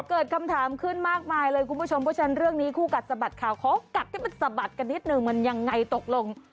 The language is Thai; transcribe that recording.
เกิดคำถามขึ้นมากมายเลยคุณผู้ชมเพราะฉะนั้นเรื่องนี้คู่กัดสะบัดข่าวขอกัดให้มันสะบัดกันนิดนึงมันยังไงตกลง